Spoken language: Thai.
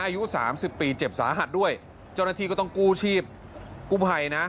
อายุสามสิบปีเจ็บสาหัสด้วยเจ้าหน้าที่ก็ต้องกู้ชีพกู้ภัยนะ